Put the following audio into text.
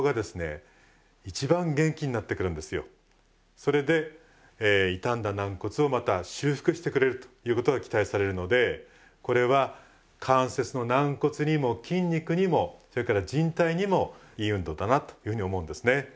それで傷んだ軟骨をまた修復してくれるということが期待されるのでこれは関節の軟骨にも筋肉にもそれからじん帯にもいい運動だなというふうに思うんですね。